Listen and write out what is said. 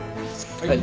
はい。